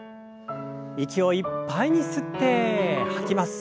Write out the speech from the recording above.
息をいっぱいに吸って吐きます。